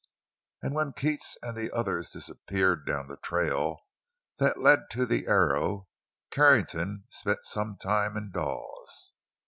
And when Keats and the others disappeared down the trail that led to the Arrow, Carrington spent some time in Dawes.